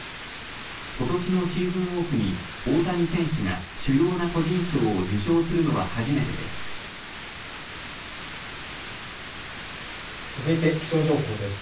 ことしのシーズンオフに大谷選手が主要な個人賞を受賞するのは初めてです。